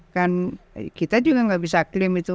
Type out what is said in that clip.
kan kita juga gak bisa claim itu